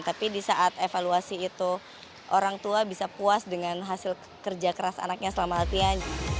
tapi di saat evaluasi itu orang tua bisa puas dengan hasil kerja keras anaknya selama latihan